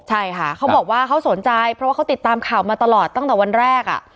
ใช่ค่ะเขาบอกว่าเขาสนใจเพราะว่าเขาติดตามข่าวมาตลอดตั้งแต่วันแรกอ่ะ